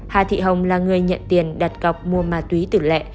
hà thị hồng là người nhận tiền đặt cọc mua ma túy tử lệ